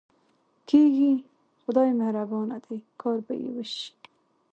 کېږي، خدای مهربانه دی، کار به یې وشي.